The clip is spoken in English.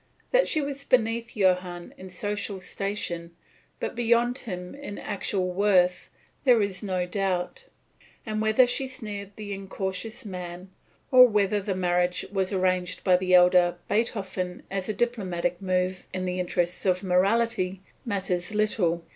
That she was beneath Johann in social station, but beyond him in actual worth, there is no doubt. And whether she snared the incautious man, or whether the marriage was arranged by the elder Biethofen as a diplomatic move in the interests of morality, matters little.